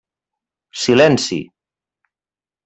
Silenci!